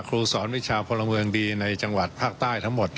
ครูสอนวิชาพลเมืองดีในจังหวัดภาคใต้ทั้งหมด